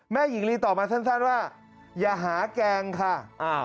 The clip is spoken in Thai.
หญิงลีตอบมาสั้นว่าอย่าหาแกงค่ะ